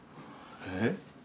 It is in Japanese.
えっ？